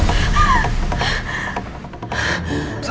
biar gak telat